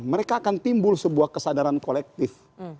mereka akan timbul sebuah kesadaran kolektif